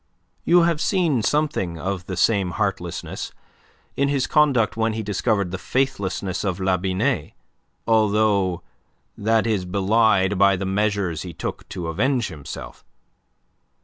You have seen something of the same heartlessness in his conduct when he discovered the faithlessness of La Binet although that is belied by the measures he took to avenge himself.